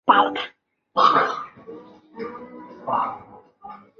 波托米阶末期灭绝事件末期的灭绝事件。